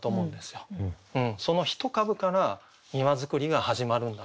その一株から庭造りが始まるんだと。